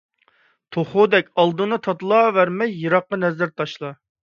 توخۇدەك ئالدىڭنى تاتىلاۋەرمەي، يىراققا نەزەر تاشلا!